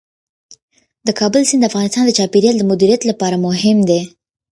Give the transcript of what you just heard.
د کابل سیند د افغانستان د چاپیریال د مدیریت لپاره مهم دی.